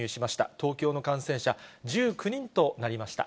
東京の感染者、１９人となりました。